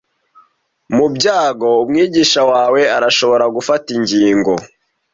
Mu byago Umwigisha wawe arashobora gufata ingingo